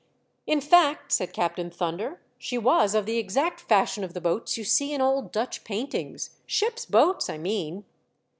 "In fact," said Captain Thunder, "she was of the exact fashion of the boats you see In old Dutch paintings — ship's boats, I mean."